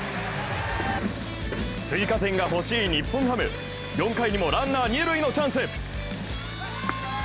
追加点が欲しい日本ハム、４回にもランナー二塁のチャンス。